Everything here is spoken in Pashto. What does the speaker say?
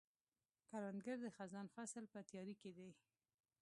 کروندګر د خزان فصل په تیاري کې دی